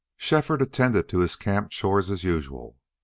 . Shefford attended to his camp chores as usual.